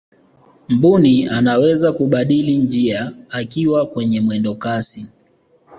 mbuni anaweza kubadili njia akiwa kwenye mwendo kasi